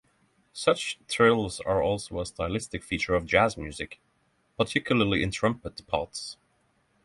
Such trills are also a stylistic feature of jazz music, particularly in trumpet parts.